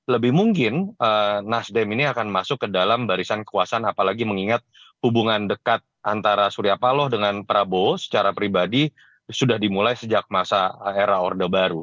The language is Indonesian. lebih mungkin nasdem ini akan masuk ke dalam barisan kekuasaan apalagi mengingat hubungan dekat antara surya paloh dengan prabowo secara pribadi sudah dimulai sejak masa era orde baru